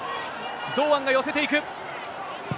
堂安が寄せていく。